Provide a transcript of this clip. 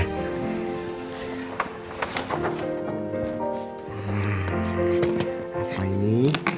nah apa ini